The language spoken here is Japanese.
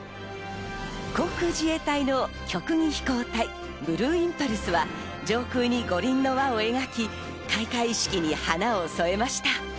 航空自衛隊の曲技飛行隊、ブルーインパルスは上空に五輪の輪を描き、開会式に花を添えました。